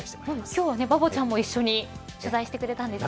今日はバボちゃんも一緒に取材してくれたんですね。